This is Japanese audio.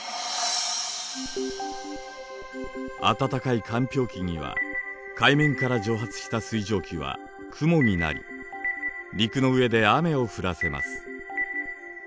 暖かい間氷期には海面から蒸発した水蒸気は雲になり陸の上で雨を降らせます。